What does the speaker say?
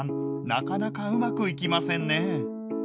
なかなかうまくいきませんね。